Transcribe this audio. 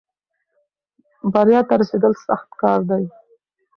بریا ته رسېدل سخت کار دی.